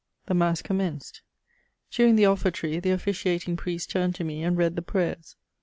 The mass commenced. During the ofifertory, the officiating priest turned to me and read the prayers.